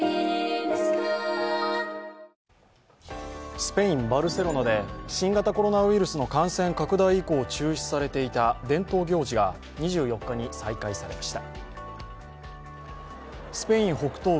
スペイン・バルセロナで新型コロナウイルスの感染拡大以降中止されていた伝統行事が２４日に再開されました。